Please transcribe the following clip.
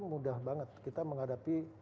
mudah banget kita menghadapi